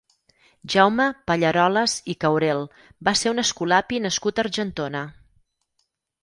Jaume Pallarolas i Caurel va ser un escolapi nascut a Argentona.